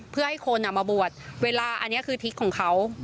เพื่อให้คนมาบวชเวลาอันนี้คือทิศของเขา